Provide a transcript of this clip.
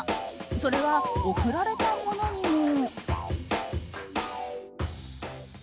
それは贈られたものにも。